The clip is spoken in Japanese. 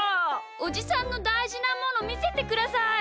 おじさんのたいじなものみせてください！